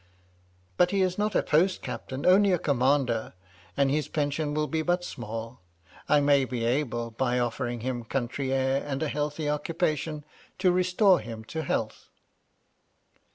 " But he is not a post captain, only a commander, and his pension will be but small. I may MY LADY LUDLOW. 281 be able, by offering him country air and a healthy occupation, to restore him to health."